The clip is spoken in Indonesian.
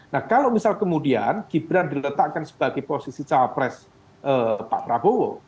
nah kalau misal kemudian gibran diletakkan sebagai posisi cawapres pak prabowo